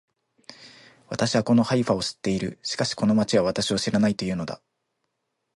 私はこのハイファを知っている。しかしこの町は私を知らないと言うのだ